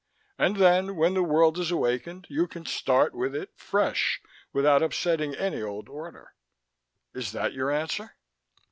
And then, when the world is awakened, you can start with it, fresh, without upsetting any old order. Is that your answer?"